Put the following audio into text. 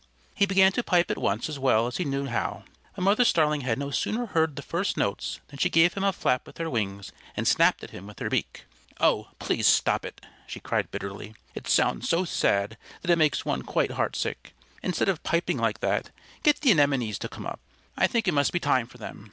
He began to pipe at once as well as he knew how. But Mother Starling had no sooner heard the first notes than she gave him a flap with her wings and snapped at him with her beak. "Oh, please stop it!" she cried bitterly. "It sounds so sad that it makes one quite heartsick. Instead of piping like that, get the Anemones to come up. I think it must be time for them.